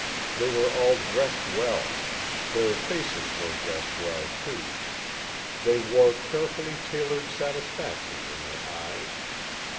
They were all dressed well. Their faces were dressed well, too. They wore carefully tailored satisfactions in their eyes.